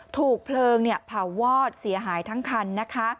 ถูกเพลิงเผาวอดเสียหายทั้งคันนะคะ